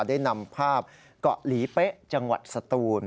ได้นำภาพเกาะหลีเป๊ะจังหวัดสตูน